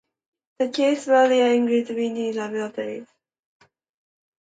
The cars were rear-engined with twin radiators.